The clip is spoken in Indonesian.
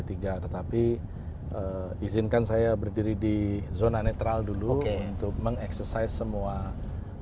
tetapi izinkan saya berdiri di zona netral dulu untuk mengeksersai semua kegiatan